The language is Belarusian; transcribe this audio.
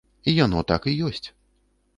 І яно так і ёсць.